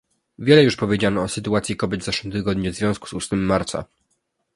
Wiele już powiedziano o sytuacji kobiet w zeszłym tygodniu w związku z ósmym marca